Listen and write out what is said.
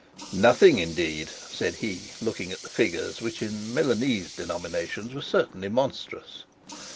'Nothing, indeed!' said he, looking at the figures, which in Milanese denominations were certainly monstrous.